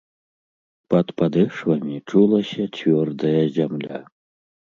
Пад падэшвамі чулася цвёрдая зямля.